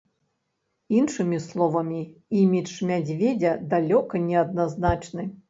Іншымі словамі, імідж мядзведзя далёка не адназначны.